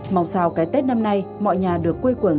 mong sao cái tết năm nay mọi nhà được quê quẩn xu mạng